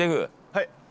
はい。